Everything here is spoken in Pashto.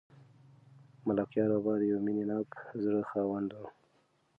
ملکیار بابا د یو مینه ناک زړه خاوند و.